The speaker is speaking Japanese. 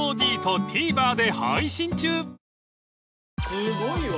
すごいわ！